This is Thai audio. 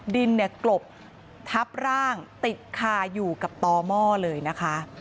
ดินเนี่ยกลบทับร่างติดคาอยู่กับต่อหม้อเลยนะคะ